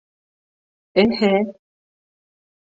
- Эһе!